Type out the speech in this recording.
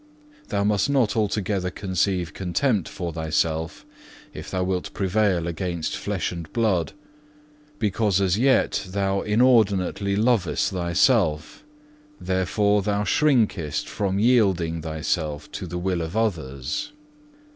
Thou must not altogether conceive contempt for thyself, if thou wilt prevail against flesh and blood. Because as yet thou inordinately lovest thyself, therefore thou shrinkest from yielding thyself to the will of others.